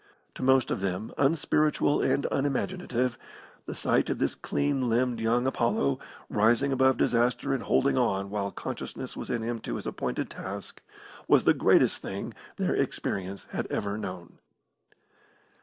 To most of them, unspiritual and unimaginative, the sight of this clean limbed young Apollo, rising above disaster and holding on while consciousness was in him to his appointed task, was the greatest thing their experience had ever known.